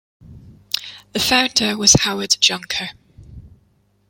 The founder was Howard Junker.